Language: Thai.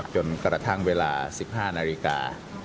จนกระทั่งเวลา๑๕นาฬิกา